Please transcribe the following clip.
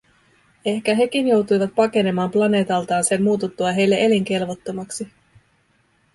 Ehkä hekin joutuivat pakenemaan planeetaltaan sen muututtua heille elinkelvottomaksi.